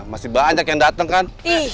masih banyak yang datang kan